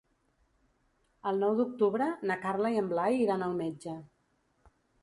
El nou d'octubre na Carla i en Blai iran al metge.